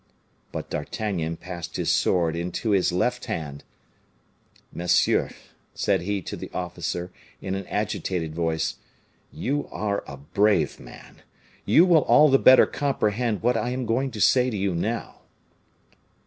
But D'Artagnan passed his sword into his left hand, "Monsieur," said he to the officer, in an agitated voice, "you are a brave man. You will all the better comprehend what I am going to say to you now."